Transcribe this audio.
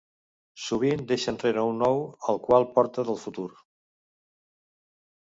Sovint, deixa enrere un ou el qual porta del futur.